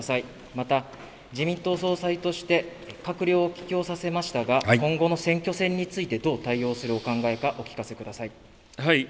また、自民党総裁として閣僚を帰郷させましたが今後の選挙戦についてどう対応するお考えかお聞かせください。